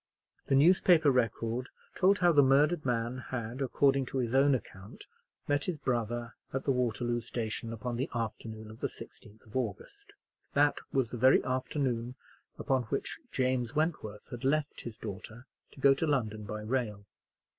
The newspaper record told how the murdered man had, according to his own account, met his brother at the Waterloo station upon the afternoon of the 16th of August. That was the very afternoon upon which James Wentworth had left his daughter to go to London by rail.